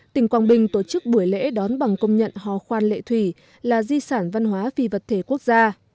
tỉnh quảng bình tổ chức buổi lễ đón bằng công nhận hò khoan lệ thủy là di sản văn hóa phi vật thể quốc gia